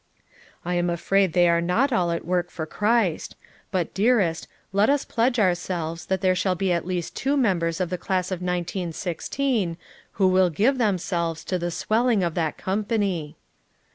"I am afraid they are not all at work for Christ; but, dearest, let us pledge ourselves that there shall be at least two members of the class of 1916 who will give themselves to the swelling of that company.'